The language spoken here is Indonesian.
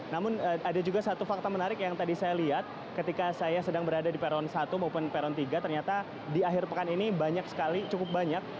namun ada juga satu fakta menarik yang tadi saya lihat ketika saya sedang berada di peron satu maupun peron tiga ternyata di akhir pekan ini banyak sekali cukup banyak